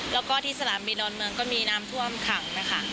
แล้วก็ที่สนามบินดอนเมืองก็มีน้ำท่วมขังนะคะ